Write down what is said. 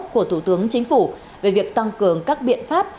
của thủ tướng chính phủ về việc tăng cường các biện pháp